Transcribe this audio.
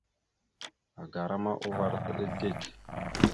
Agara ma uvar ataɗá dik.